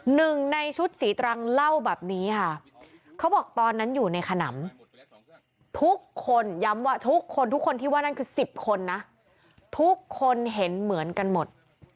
หนึ่งในชุดสีตรังเล่าแบบนี้ค่ะเขาบอกตอนนั้นอยู่ในขนำทุกคนย้ำว่าทุกคนทุกคนที่ว่านั่นคือ๑๐คนนะทุกคนเห็นเหมือนกันหมด